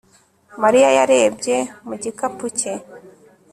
Mariya yarebye mu gikapu cye